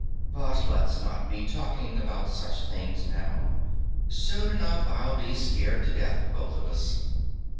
"But let's not be talking about such things now. Soon enough I'll be scared to death for both of us.